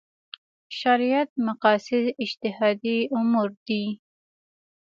شریعت مقاصد اجتهادي امور دي.